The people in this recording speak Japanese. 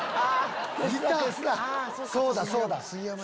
そうだそうだ。